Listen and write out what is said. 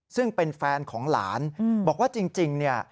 ซึ่งเป็นแฟนของหลานบอกว่าจริงเนี่ย